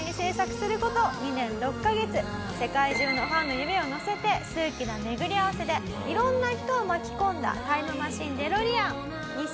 世界中のファンの夢をのせて数奇な巡り合わせで色んな人を巻き込んだタイムマシンデロリアン。